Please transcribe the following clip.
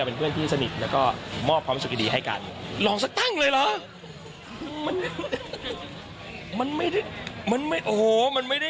รองสักตั้งเลยเหรอ